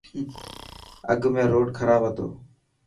اڳ ۾ روڊ کراب هتو.